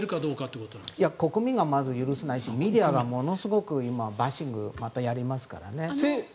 いや、国民がまず許せないしメディアがものすごく今、バッシングをまたやりますからね。